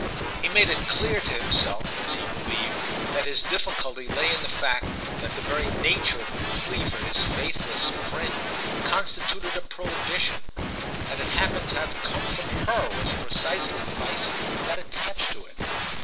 He made it clear to himself, as he believed, that his difficulty lay in the fact that the very nature of the plea for his faithless friend constituted a prohibition; that it happened to have come from her was precisely the vice that attached to it.